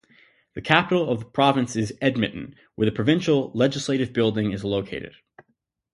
The capital of the province is Edmonton, where the provincial Legislative Building is located.